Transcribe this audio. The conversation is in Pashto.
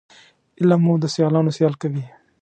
علم مو د سیالانو سیال کوي